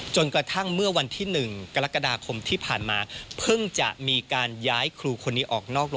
จนกระทั่งเมื่อวันที่หนึ่งตรงกระธาคมที่ผ่านมาเพิ่งจะมีการย้ายครูคนนี้ออก